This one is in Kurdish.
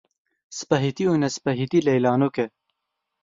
Spehîtî û nesipehîtî leylanok e.